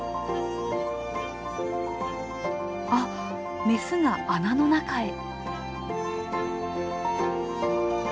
あっメスが穴の中へ。